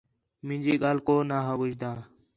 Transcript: مینجی ڳالھ کو نا ہا ٻُجھدا